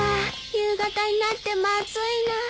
夕方になっても暑いな。